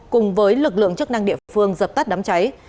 cùng với lực lượng chức năng địa phương dập tắt đám cháy